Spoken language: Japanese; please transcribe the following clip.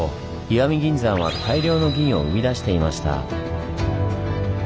石見銀山は大量の銀を生み出していました。